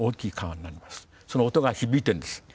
その音が響いてるんです。